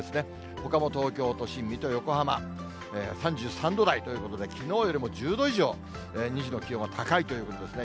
ほかも東京都心、水戸、横浜、３３度台ということで、きのうよりも１０度以上、２時の気温は高いということですね。